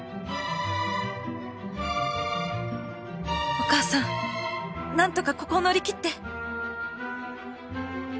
お母さん何とかここを乗り切って！